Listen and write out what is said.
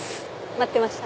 待ってました。